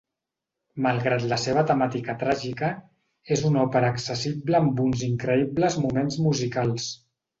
Malgrat la seva temàtica tràgica, és una òpera accessible amb uns increïbles moments musicals.